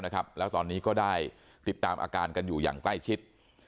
และตอนนี้ก็ได้ติดตามอาการอยู่ยังใกล้ชิด